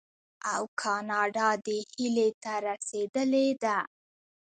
او کاناډا دې هیلې ته رسیدلې ده.